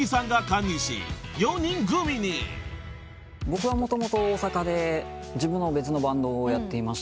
僕はもともと大阪で自分の別のバンドをやっていて。